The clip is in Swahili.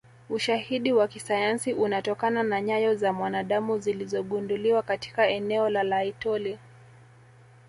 Ushahidi wa kisayansi unatokana na nyayo za mwanadamu zilizogunduliwa katika eneo la Laetoli